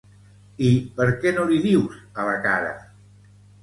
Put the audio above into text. I per què no li dius a la cara?